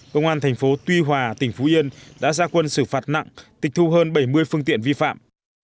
công an thành phố tuy hòa tỉnh phú yên đã ra quân xử phạt nặng tịch thu hơn bảy mươi phương tiện vi phạm